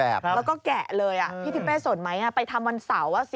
แล้วก็แกะเลยพี่ทิเป้สนไหมไปทำวันเสาร์